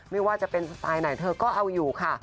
ไม่ว่าจะเป็นสไตล์ไหนเธอก็เอาอยู่ค่ะ